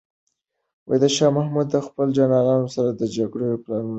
شاه محمود د خپلو جنرالانو سره د جګړې پلانونه شریک کړل.